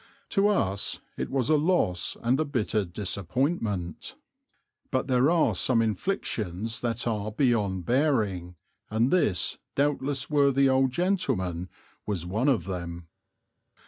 To us it was a loss and a bitter disappointment; but there are some inflictions that are beyond bearing, and this doubtless worthy old gentleman was one of them.